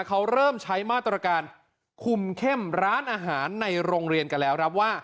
เขาเริ่มใช้มาตรการคุมเข้มร้านอาหารในโรงเรียนกันแล้วครับว่า